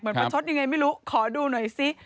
เหมือนประโชทยังไงไม่รู้ขอดูหน่อยซิ